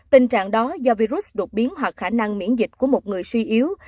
tình trạng đó do virus đột biến hoặc khả năng miễn dịch của một người suy yếu